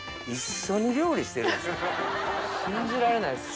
信じられないですよ。